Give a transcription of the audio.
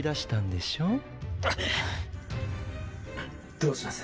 どうします。